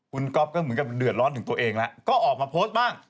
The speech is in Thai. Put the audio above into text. คุณก๊อฟก็เหมือนกับเดือดร้อนถึงตัวเองแล้วก็ออกมาโพสต์บ้าง